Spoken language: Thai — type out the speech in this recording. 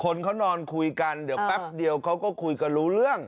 คนเขานอนคุยกันเดี๋ยวแป๊บเดียวเขาก็คุยกันรู้เรื่อง